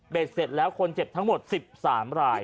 เสร็จแล้วคนเจ็บทั้งหมด๑๓ราย